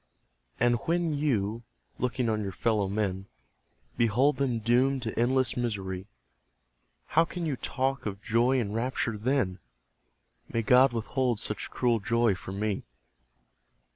And when you, looking on your fellow men, Behold them doomed to endless misery, How can you talk of joy and rapture then? May God withhold such cruel joy from me!